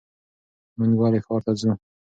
مونږ ولې ښار ته ځو؟